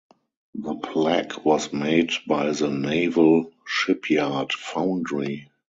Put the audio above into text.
The plaque was made by the Naval Shipyard Foundry.